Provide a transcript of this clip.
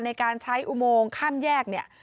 ในการใช้อุโมงข้ามแยกเนี่ย